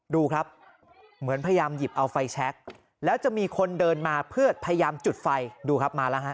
ดูครับมาแล้วฮะนี่นะฮะ